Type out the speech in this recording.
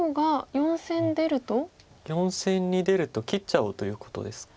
４線に出ると切っちゃおうということですか。